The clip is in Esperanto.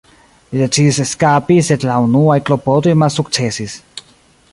Li decidis eskapi sed la unuaj klopodoj malsukcesis.